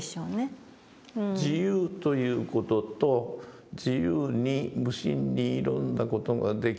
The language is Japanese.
自由という事と自由に無心にいろんな事ができて。